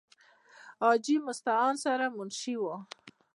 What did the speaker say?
حاجې مستعان سره منشي وو ۔